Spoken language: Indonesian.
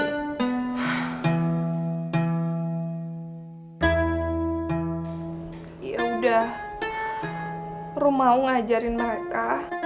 ya udah rum mau ngajarin mereka